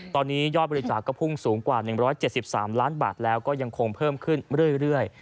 ตอนนี้ยอดบริจาคก็พุ่งสูงกว่า๑๗๓ล้านบาทแล้วก็ยังคงเพิ่มขึ้นเรื่อย